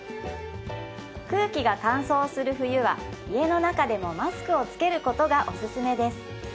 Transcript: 空気が乾燥する冬は家の中でもマスクを着けることがおすすめです